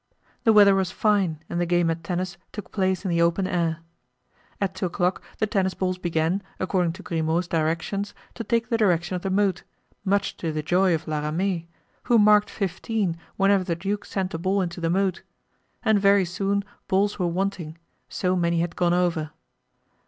The weather was fine and the game at tennis took place in the open air. At two o'clock the tennis balls began, according to Grimaud's directions, to take the direction of the moat, much to the joy of La Ramee, who marked fifteen whenever the duke sent a ball into the moat; and very soon balls were wanting, so many had gone over.